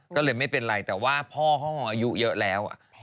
ก็เลยไม่เป็นไรแต่ว่าพ่อห้องอายุเยอะแล้ว